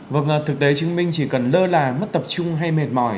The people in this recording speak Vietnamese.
vâng thực tế chứng minh chỉ cần lơ là mất tập trung hay mệt mỏi